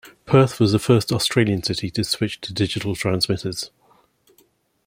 Perth was the first Australian city to switch the digital transmitters.